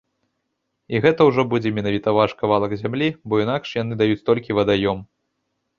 І гэта ўжо будзе менавіта ваш кавалак зямлі, бо інакш яны даюць толькі вадаём.